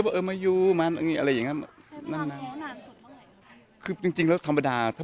คือจริงแล้วธรรมดา